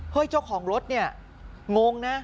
เจ้าของรถเนี่ยงงนะ